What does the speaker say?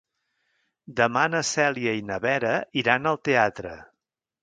Demà na Cèlia i na Vera iran al teatre.